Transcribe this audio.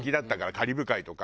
カリブ海とか。